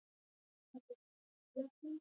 سیلابونه د افغان تاریخ په کتابونو کې ذکر شوی دي.